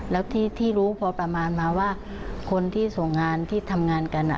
แล้วที่รู้พอประมาณมาว่าคนที่ส่งงานที่ทำงานกัน